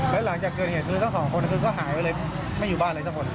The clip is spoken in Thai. แล้วหลังจากเกิดเหตุคือสองคนก็หายไว้เลยไม่อยู่บ้านเลยสักคน